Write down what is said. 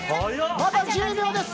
まだ１０秒です。